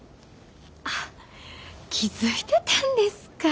あ気付いてたんですか。